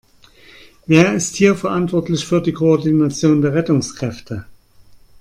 Wer ist hier verantwortlich für die Koordination der Rettungskräfte?